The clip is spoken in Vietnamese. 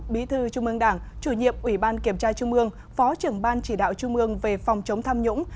bí thư trung mương đảng chủ nhiệm ủy ban kiểm tra trung mương phó trưởng ban chỉ đạo trung mương về phòng chống tham nhũng